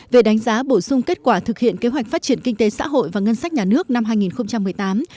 về đánh giá bổ sung kết quả thực hiện kế hoạch phát triển kinh tế xã hội và ngân sách nhà nước năm hai nghìn một mươi tám